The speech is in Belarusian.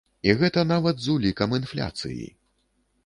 І гэта нават з улікам інфляцыі!